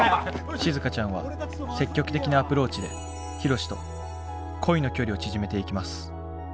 しずかちゃんは積極的なアプローチでヒロシと恋の距離を縮めていきます。